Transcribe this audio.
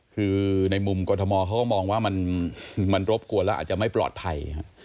คือในมุมกรทมเขาก็มองว่ามันรบกวนแล้วอาจจะไม่ปลอดภัย